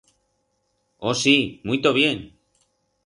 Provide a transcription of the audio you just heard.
Oh sí, muito bien!